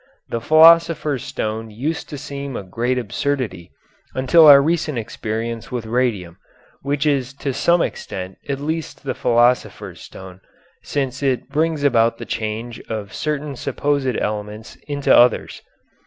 The Philosopher's Stone used to seem a great absurdity until our recent experience with radium, which is to some extent at least the philosopher's stone, since it brings about the change of certain supposed elements into others.